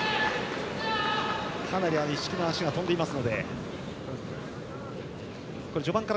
かなり一色の足が飛んでいますので。